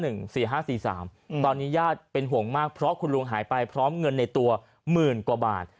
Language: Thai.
ตอนนี้ญาติเป็นห่วงมากเพราะคุณลุงหายไปพร้อมเงินในตัวหมื่นกว่าบาท